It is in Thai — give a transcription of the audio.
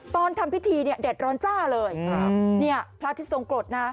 ตอนทำพิธีเนี่ยแดดร้อนจ้าเลยครับเนี่ยพระอาทิตย์ทรงกรดนะ